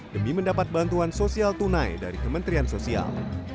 demi mendapat bantuan sosial tunai dari kementerian sosial